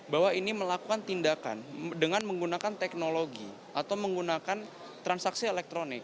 bahwa ini melakukan tindakan dengan menggunakan teknologi atau menggunakan transaksi elektronik